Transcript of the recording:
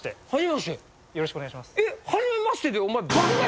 よろしくお願いします。